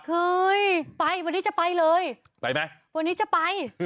เคยไปวันนี้จะไปเลยไปไหมวันนี้จะไป